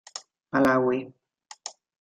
Malawi.